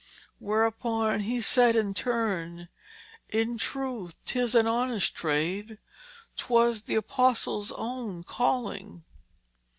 Whereupon he said in turn, "In truth 'tis an honest trade; 'twas the apostles' own calling."